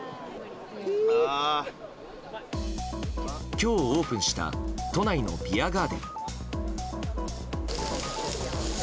今日、オープンした都内のビアガーデン。